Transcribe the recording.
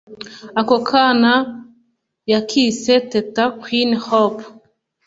Ako kana yakise Teta Queen Hope